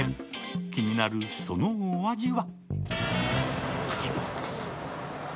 気になるそのお味は？